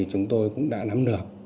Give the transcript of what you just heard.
chúng tôi cũng đã nắm được